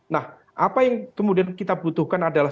nah apa yang kemudian kita butuhkan adalah